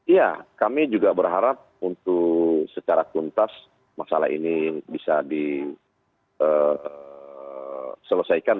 ya kami juga berharap untuk secara tuntas masalah ini bisa diselesaikan